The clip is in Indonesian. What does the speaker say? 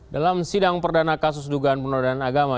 dalam sidang perdana kasus dugaan penodaan agama